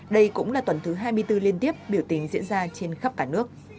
đây cũng là tuần thứ hai mươi bốn liên tiếp biểu tình diễn ra trên khắp cả nước